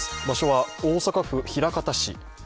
場所は大阪府枚方市。